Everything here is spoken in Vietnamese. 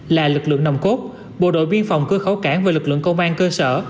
là lực lượng nồng cốt bộ đội biên phòng cơ khẩu cảng và lực lượng công an cơ sở